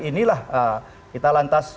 inilah kita lantas